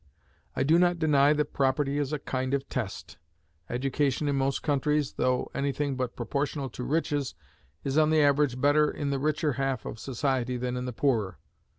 I do not deny that property is a kind of test; education, in most countries, though any thing but proportional to riches, is on the average better in the richer half of society than in the poorer.